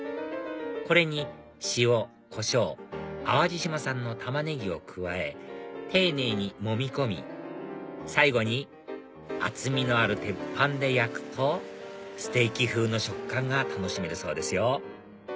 これに塩コショウ淡路島産のタマネギを加え丁寧にもみ込み最後に厚みのある鉄板で焼くとステーキ風の食感が楽しめるそうですよ